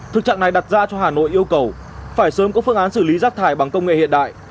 thực trạng này đặt ra cho hà nội yêu cầu phải sớm có phương án xử lý rác thải bằng công nghệ hiện đại